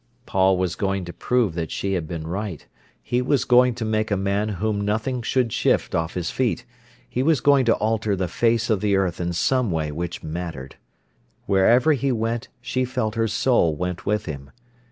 Paul was going to prove that she had been right; he was going to make a man whom nothing should shift off his feet; he was going to alter the face of the earth in some way which mattered. Wherever he went she felt her soul went with him.